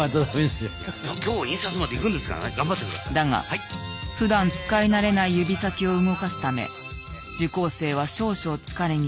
だがふだん使い慣れない指先を動かすため受講生は少々疲れ気味。